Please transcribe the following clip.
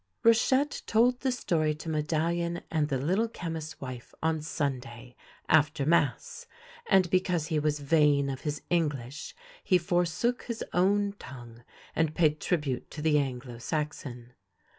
RACHETTE told the story to Medallion and the Little Chemist's wife on Sunday after Mass, and because he was vain of his English he forsook his own tongue and paid tribute to the Anglo Saxon.